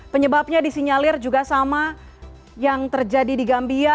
penyebabnya disinyalir juga sama yang terjadi di gambia